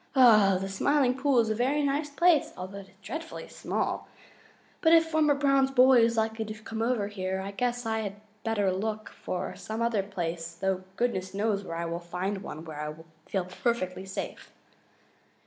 The Smiling Pool is a very nice place, although it is dreadfully small, but if Farmer Brown's boy is likely to come over here, I guess I better look for some other place, though goodness knows where I will find one where I will feel perfectly safe."